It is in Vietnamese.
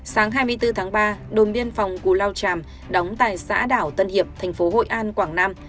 sáng hai mươi bốn tháng ba đồn biên phòng cù lao tràm đóng tại xã đảo tân hiệp thành phố hội an quảng nam